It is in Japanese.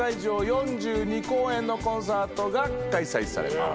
４２公演のコンサートが開催されます。